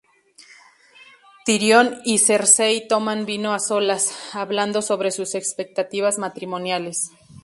Tyrion y Cersei toman vino a solas, hablando sobre sus expectativas matrimoniales.